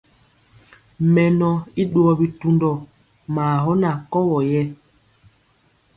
Mɛnɔ i ɗuwɔ bitundɔ maa gɔ na kɔwɔ yɛ.